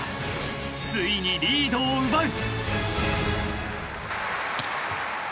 ［ついにリードを奪う］